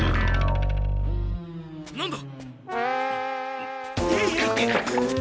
何だ！？